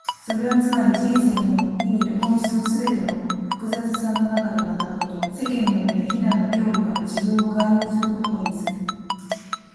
それはつまり、人生の意味と本質をすべての複雑さの中で学ぶこと、世間の目や非難の恐怖から自分を解放することを意味する。